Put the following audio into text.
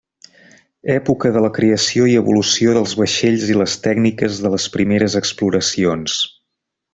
Època de la creació i evolució dels vaixells i les tècniques de les primeres exploracions.